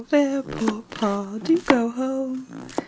"There, poor Pa, do go home!